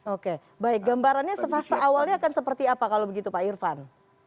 oke baik gambarannya sefasa awalnya akan seperti apa kalau begitu pak irfan